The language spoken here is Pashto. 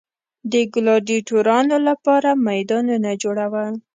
د ګلاډیټورانو لپاره میدانونه جوړول.